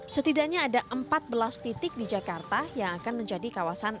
setidaknya ada empat belas titik di jakarta yang akan menjadi kawasan